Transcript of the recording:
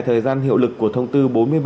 thời gian hiệu lực của thông tư bốn mươi bảy